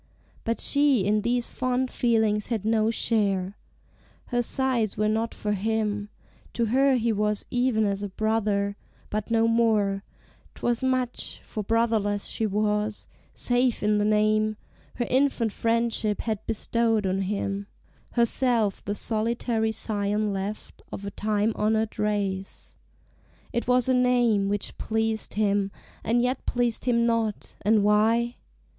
But she in these fond feelings had no share: Her sighs were not for him; to her he was Even as a brother, but no more; 'twas much, For brotherless she was, save in the name Her infant friendship had bestowed on him; Herself the solitary scion left Of a time honored race. It was a name Which pleased him, and yet pleased him not, and why?